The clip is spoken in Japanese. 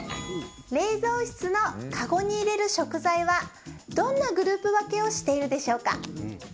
冷蔵室の籠に入れる食材はどんなグループ分けをしているでしょうか？